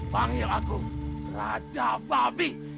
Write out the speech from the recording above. panggil aku raja babi